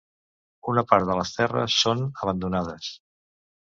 Una part de les terres són abandonades.